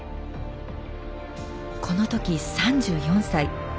この時３４歳。